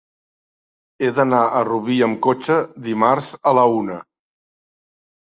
He d'anar a Rubí amb cotxe dimarts a la una.